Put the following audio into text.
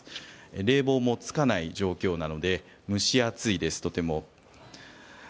冷房もつかない状況なのでとても蒸し暑いです。